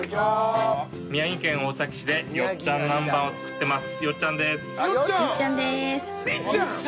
宮城県大崎市でよっちゃんなんばんを作ってます。